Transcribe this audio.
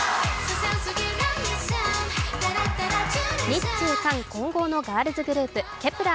日中韓混合のガールズグループ、ｋｅｐ１ｅｒ。